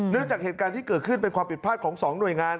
จากเหตุการณ์ที่เกิดขึ้นเป็นความผิดพลาดของ๒หน่วยงาน